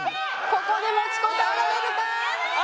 ここで持ちこたえられるか？